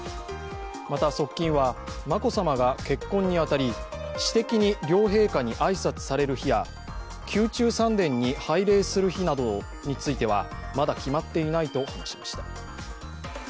また、側近は眞子さまが結婚に当たり私的に両陛下に挨拶される日や宮中三殿に拝礼する日などについてはまだ決まっていないと話しました。